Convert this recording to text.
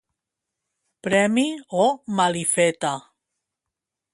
Premi o malifeta.